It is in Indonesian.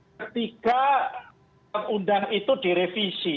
ketika undang itu direvisi